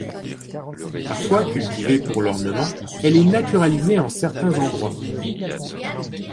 Parfois cultivée pour l'ornement, elle est naturalisée en certains endroits.